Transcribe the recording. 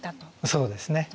そうですね。